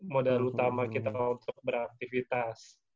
modal utama kita untuk beraktivitas